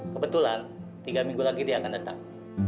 kebetulan tiga minggu lagi dia akan datang